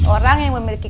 orang yang memiliki